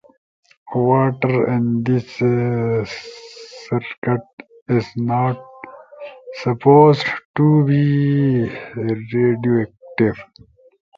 Water in this circuit is not supposed to be radioactive.